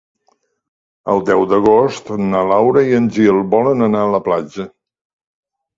El deu d'agost na Laura i en Gil volen anar a la platja.